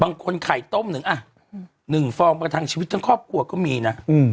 ไข่ต้มหนึ่งอ่ะ๑ฟองประทังชีวิตทั้งครอบครัวก็มีนะ